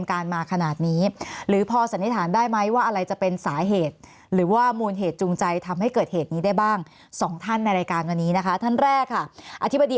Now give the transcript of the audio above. การมาขนาดนี้หรือพอสันนิษฐานได้ไหมว่าอะไรจะเป็นสาเหตุหรือว่ามูลเหตุจูงใจทำให้เกิดเหตุนี้ได้บ้างสองท่านในรายการวันนี้นะคะท่านแรกค่ะอธิบดี